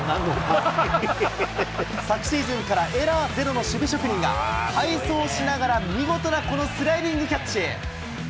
昨シーズンからエラーゼロの守備職人が、背走しながら、見事なこのスライディングキャッチ。